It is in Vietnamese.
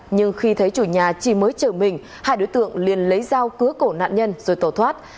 nhưng khi thấy chủ nhà chỉ mới chở mình hai đối tượng liền lấy dao cứa cổ nạn nhân rồi tổ thoát